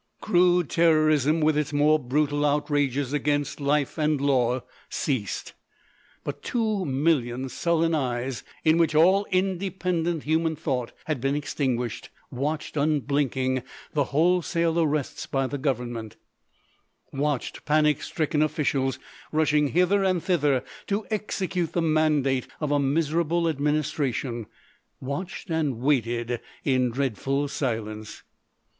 Crude terrorism with its more brutal outrages against life and law ceased. But two million sullen eyes, in which all independent human thought had been extinguished, watched unblinking the wholesale arrests by the government—watched panic stricken officials rushing hither and thither to execute the mandate of a miserable administration—watched and waited in dreadful silence.